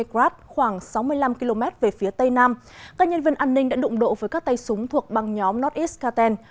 các nhân viên an ninh đã đụng độ với các tay súng thuộc băng nhóm nordiskaten